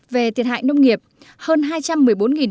về thiệt hại nông nghiệp hơn